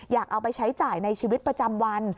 อยากเอาไปใช้จ่ายในชีวิตประจำวัน